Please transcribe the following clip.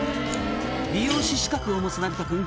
「美容師資格を持つ成田君